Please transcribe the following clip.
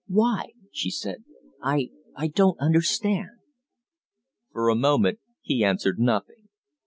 "Why?" she said. "I I don't understand." For a moment he answered nothing.